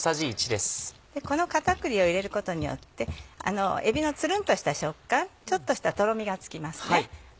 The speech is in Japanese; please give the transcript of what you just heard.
この片栗を入れることによってえびのつるんとした食感ちょっとしたとろみがつきますね。